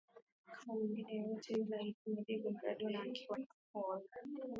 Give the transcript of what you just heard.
Kama mwingine yeyote yule alisema Diego Maradona akiwa Napol